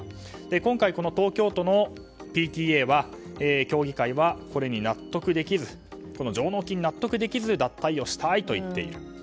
今回、東京都のＰＴＡ協議会はこれに納得できず上納金に納得できず脱退をしたいと言っている。